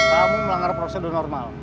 kamu santai pun